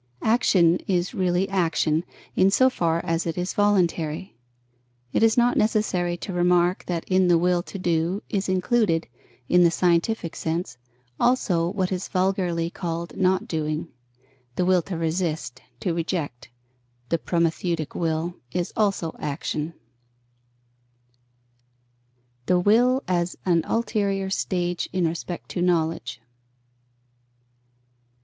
Action is really action, in so far as it is voluntary. It is not necessary to remark that in the will to do, is included, in the scientific sense, also what is vulgarly called not doing: the will to resist, to reject, the prometheutic will, is also action. _The will as an ulterior stage in respect to knowledge.